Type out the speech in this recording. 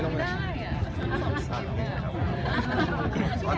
ต้องเขียนแค่เขียนมันแบบว่า